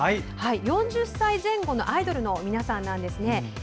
４０歳前後のアイドルの皆さんです。